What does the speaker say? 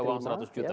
ada uang seratus juta